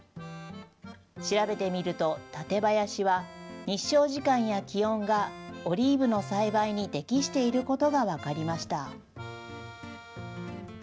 調べてみると、舘林は日照時間や気温がオリーブの栽培に適していることが分かりました。